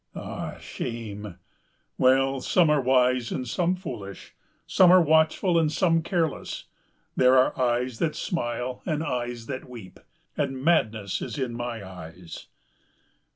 "Ah, shame!" "Well, some are wise and some foolish, some are watchful and some careless. There are eyes that smile and eyes that weep and madness is in my eyes."